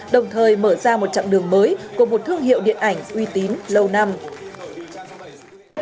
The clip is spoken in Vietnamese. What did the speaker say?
đồng thời mở ra một chặng đường mới của một thương hiệu điện ảnh uy tín lâu năm